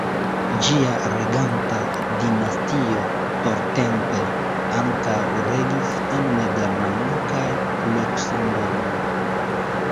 Ĝia reganta dinastio portempe ankaŭ regis en Nederlando kaj Luksemburgo.